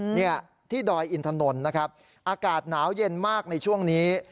เนี่ยที่ดอยอินถนนนะครับอากาศหนาวเย็นมากในช่วงนี้